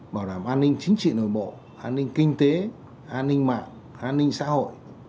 bảo đảm an ninh chính trị nội bộ an ninh kinh tế an ninh mạng an ninh xã hội